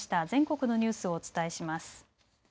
全国のニュースをお伝えします。